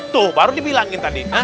tuh baru dibilangin tadi